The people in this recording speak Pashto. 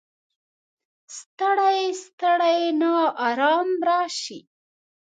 ستړی، ستړی ناارام راشي